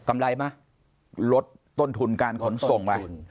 กำไรมาลดการส่ง๖๕